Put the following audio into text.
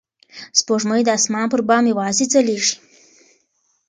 سپوږمۍ د اسمان پر بام یوازې ځلېږي.